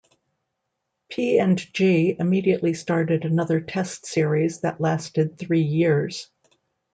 P and G immediately started another test series that lasted three years.